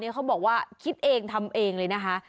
เขาบอกว่าคิดเองทำเองเลยนะคะ